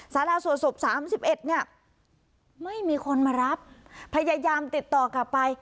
สาราสวดศพสามสิบเอ็ดเนี่ยไม่มีคนมารับพยายามติดต่อกลับไป